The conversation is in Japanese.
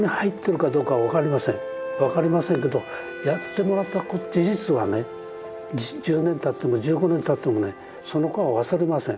分かりませんけどやってもらった事実はね１０年たっても１５年たってもねその子は忘れません。